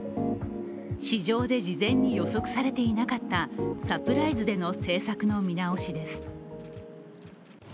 市場で事前に予測されていなかった、サプライズでの政策の見直しです。